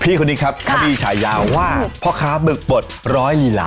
คนนี้ครับเขามีฉายาว่าพ่อค้าบึกบดร้อยลีลา